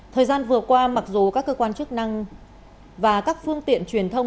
thời gian vừa qua mặc dù các cơ quan chức năng và các phương tiện truyền thông